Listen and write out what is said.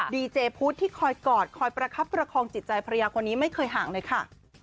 ดีเจพุทธที่คอยกอดคอยประคับประคองจิตใจภรรยาคนนี้ไม่เคยห่างเลยค่ะ